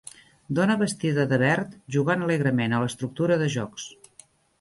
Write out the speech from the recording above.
Dona vestida de verd jugant alegrement a l'estructura de jocs.